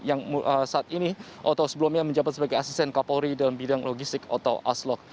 yang saat ini atau sebelumnya menjabat sebagai asisten kapolri dalam bidang logistik atau aslok